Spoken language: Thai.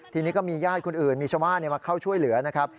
ทีนี้ก็มีญาติคนอื่นมีชาวบ้านมาเข้าช่วยเหลือนะครับ